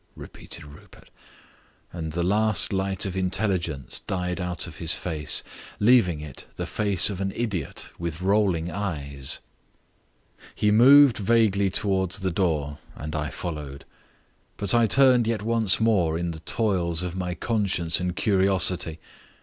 repeated Rupert, and the last light of intelligence died out of his face, leaving it the face of an idiot with rolling eyes. He moved vaguely towards the door and I followed. But I turned yet once more in the toils of my conscience and curiosity.